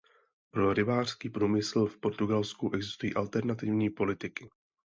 Pro rybářský průmysl v Portugalsku existují alternativní politiky.